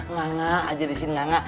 ngana aja disini ngana